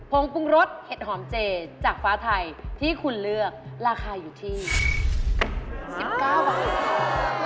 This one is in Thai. งปรุงรสเห็ดหอมเจจากฟ้าไทยที่คุณเลือกราคาอยู่ที่๑๙บาท